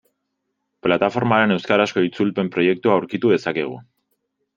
Plataformaren euskarazko itzulpen-proiektua aurkitu dezakegu.